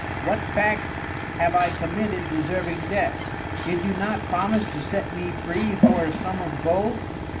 What Fact have I committed deserving Death? Did you not promise to set me free for a Sum of Gold.